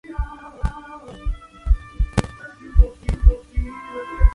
Está enterrado en la Iglesia de la Abadía de San Arnulfo de Metz.